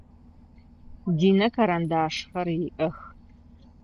Динэ карандашхэр иӏэх.